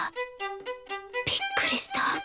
びっくりした。